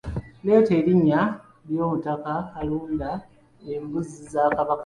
Leeta erinnya ly’omutaka alunda embuzi za Kabaka?